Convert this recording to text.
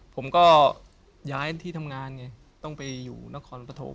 ผมก็ย้ายที่ทำงานไงต้องไปอยู่นครปฐม